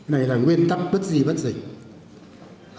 này là nguyên tắc bất di bất dịch